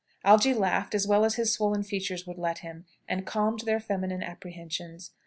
Algy laughed as well as his swollen features would let him, and calmed their feminine apprehensions.